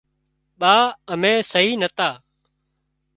ٻا امين سهي نتا